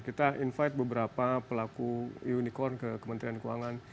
kita invite beberapa pelaku unicorn ke kementerian keuangan